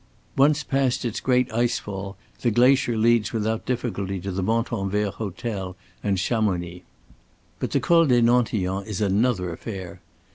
Once past its great ice fall, the glacier leads without difficulty to the Montanvert hotel and Chamonix. But the Col des Nantillons is another affair.